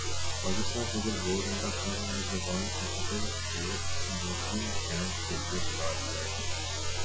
Pakistan cricket board نے اٹھارہ نوجوان کرکٹرز کو ایمرجنگ کیمپ کیلئے بلا لیا